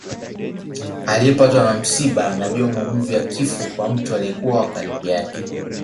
Aliyepatwa na msiba anajua maumivu ya kifo kwa mtu aliyekuwa wa karibu yake